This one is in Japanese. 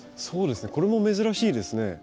そうですねこれも珍しいですね。